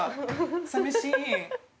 さみしい。